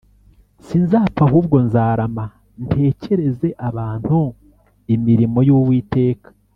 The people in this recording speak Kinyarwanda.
Sinzapfa ahubwo nzarama ntekereze abantu imirimo y’uwiteka